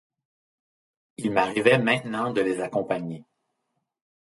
Il m'arrivait maintenant de les accompagner.